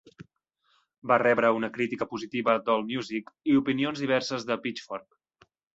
Va rebre una crítica positiva d'Allmusic i opinions diverses de Pitchfork.